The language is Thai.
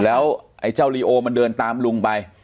แล้วไอ้เจ้าลีโอมันเดินตามลุงไป